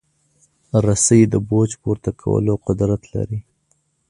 رسۍ د بوج پورته کولو قدرت لري.